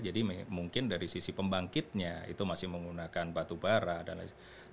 jadi mungkin dari sisi pembangkitnya itu masih menggunakan batu bara dan lain sebagainya